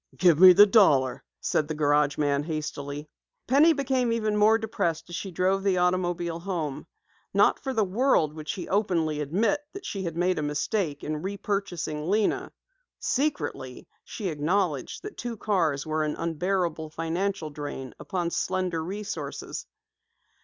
"Give me the dollar," said the garage man hastily. Penny became even more depressed as she drove the automobile home. Not for the world would she openly admit that she had made a mistake in repurchasing Lena. Secretly she acknowledged that two cars were an unbearable financial drain upon slender resources.